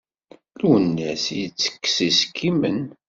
Lwennas yettekes iskimen.